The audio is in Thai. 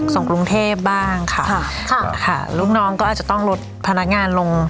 ส่งกรุงเทพบ้างค่ะค่ะค่ะลูกน้องก็อาจจะต้องลดพนักงานลง